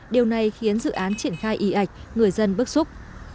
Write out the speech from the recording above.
điều này khiến dự án triển khai y ạch người dân bức xúc